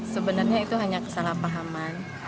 sebenarnya itu hanya kesalahpahaman